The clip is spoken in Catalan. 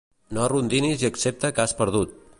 No rondinis i accepta que has perdut.